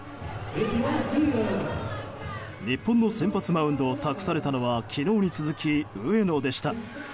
日本の先発マウンドを託されたのは昨日に続き、上野でした。